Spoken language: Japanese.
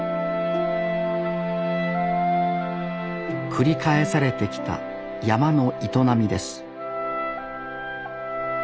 繰り返されてきた山の営みです